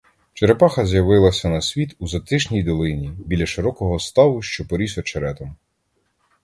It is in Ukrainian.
Черепаха з'явилася на світ у затишній долині, біля широкого ставу, що поріс очеретом.